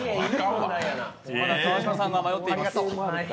まだ川島さんが迷っています。